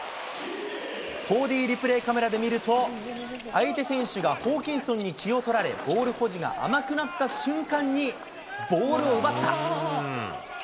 ４Ｄリプレイカメラで見ると、相手選手がホーキンソンに気を取られ、ボール保持が甘くなった瞬間に、ボールを奪った。